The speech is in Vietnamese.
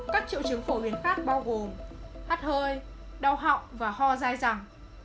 các triệu chứng phổ biến khác bao gồm hát hơi đau họng và ho dài dẳng